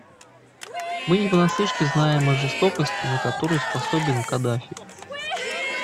Мы не понаслышке знаем о жестокости, на которую способен Каддафи.